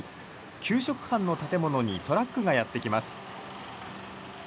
給食班の建物にトラックがやって来ます。